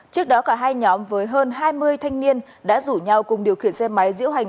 trước đó cả hai nhóm với hơn hai mươi thanh niên đã rủ nhau cùng điều khiển xe máy diễu hành